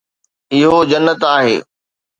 اهو جنت آهي